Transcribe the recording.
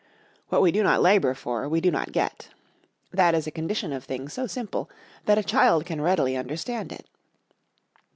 What we do not labor for we do not get. That is a condition of things so simple that a child can readily understand it.